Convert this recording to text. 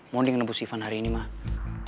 mon yang nebus ivan hari ini mak